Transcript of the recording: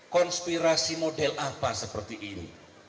konspirasi model apa seperti ini